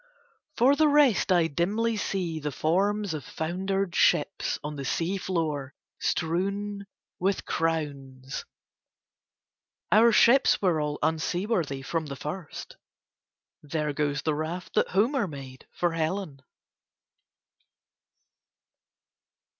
For the rest I dimly see the forms of foundered ships on the sea floor strewn with crowns. Our ships were all unseaworthy from the first. There goes the raft that Homer made for Helen.